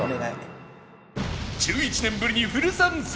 １１年ぶりにフル参戦